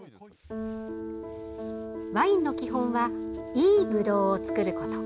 ワインの基本はいいぶどうを作ること。